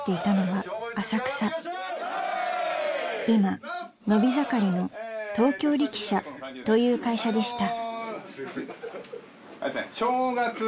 ［今伸び盛りの東京力車という会社でした］